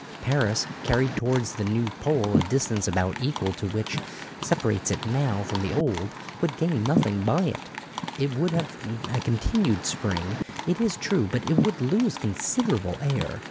Paris, carried towards the new pole a distance about equal to that which separates it now from the old one, would gain nothing by it. It would have a continued Spring, it is true, but it would lose considerable air.